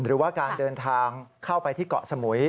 หรือว่าการเดินทางเข้าไปที่เกาะสมุย